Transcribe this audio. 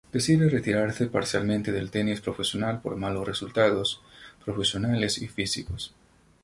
Decide retirarse parcialmente del tenis profesional por malos resultados profesionales y físicos.